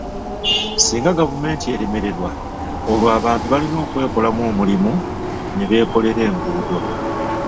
Singa gavumenti eremererwa, olwo abantu balina okwekolamu omulimu ne beekolera enguudo.